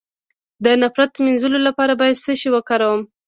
د نفرت د مینځلو لپاره باید څه شی وکاروم؟